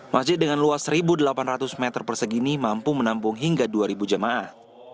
masjid dengan luas satu delapan ratus meter persegini mampu menampung hingga dua jemaah